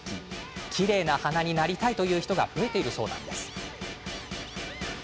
きれいな鼻になりたいという人が増えているそうなんです。